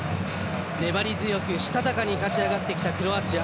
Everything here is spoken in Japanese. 粘り強くしたたかに勝ち上がってきたクロアチア。